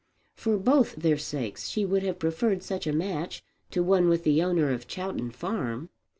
For both their sakes she would have preferred such a match to one with the owner of Chowton Farm.